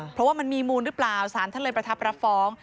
เพราะว่ามันมีมูลหรือเปล่าสารท่านเลยประทับรับฟ้อง